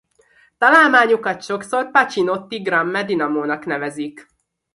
Találmányukat sokszor Pacinotti-Gramme dinamónak nevezik.